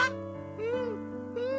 うんうん。